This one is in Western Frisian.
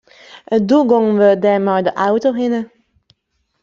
Doe gongen we der mei de auto hinne.